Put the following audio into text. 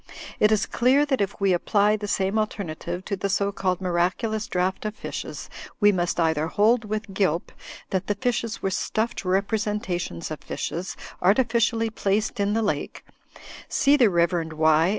It is clear that if we apply the same alternative to the so called Miraculous Draught of Fishes we must either hold with Gilp, that the fishes were stuffed representations of fishes artificially placed in the lake (sefe the Rev. Y.